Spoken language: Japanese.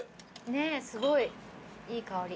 すごいいい香り。